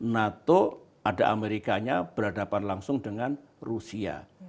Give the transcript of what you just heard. nato ada amerikanya berhadapan langsung dengan rusia